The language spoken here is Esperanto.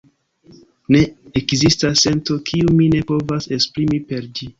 Ne ekzistas sento, kiun mi ne povas esprimi per ĝi.